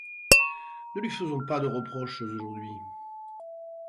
Ne lui faisons pas de reproches aujourd'hui !